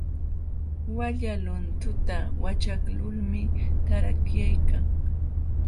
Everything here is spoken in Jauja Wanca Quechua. Walla luntunta waćhaqlulmi tarakyaykan.